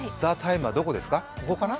「ＴＨＥＴＩＭＥ，」はどこですか、ここかな？